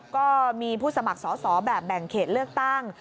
ก็มีผู้สมัครสอสอแบบแบ่งเขตเลือกตั้ง